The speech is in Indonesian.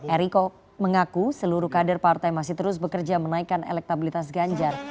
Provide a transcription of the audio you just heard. eriko mengaku seluruh kader partai masih terus bekerja menaikkan elektabilitas ganjar